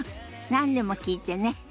何でも聞いてね。